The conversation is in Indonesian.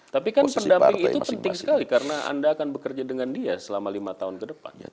tapi kan pendamping itu penting sekali karena anda akan bekerja dengan dia selama lima tahun ke depan